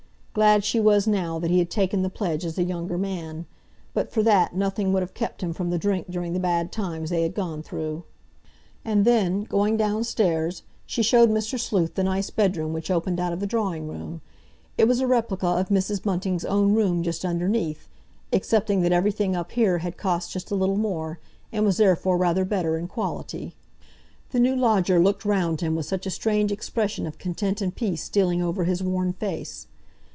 Glad she was now that he had taken the pledge as a younger man; but for that nothing would have kept him from the drink during the bad times they had gone through. And then, going downstairs, she showed Mr. Sleuth the nice bedroom which opened out of the drawing room. It was a replica of Mrs. Bunting's own room just underneath, excepting that everything up here had cost just a little more, and was therefore rather better in quality. The new lodger looked round him with such a strange expression of content and peace stealing over his worn face.